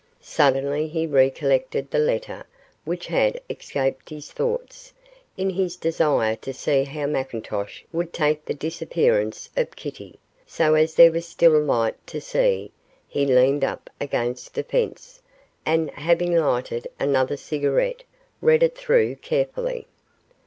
Suddenly he recollected the letter, which had escaped his thoughts, in his desire to see how McIntosh would take the disappearance of Kitty, so as there was still light to see, he leaned up against a fence, and, having lighted another cigarette, read it through carefully.